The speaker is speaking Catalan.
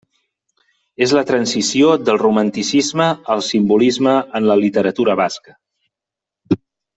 És la transició del romanticisme al simbolisme en la literatura basca.